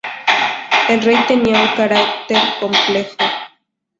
El rey tenía un carácter complejo.